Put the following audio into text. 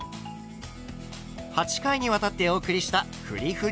８回にわたってお送りしたふりふり